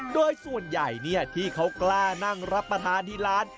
โดยส่วนใหญ่ที่เขากล้านั่งรับประทานที่ร้าน